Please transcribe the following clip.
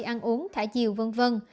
nơi ăn uống thả chiều v v